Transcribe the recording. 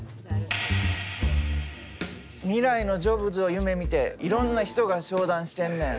未来のジョブズを夢みていろんな人が商談してんねん。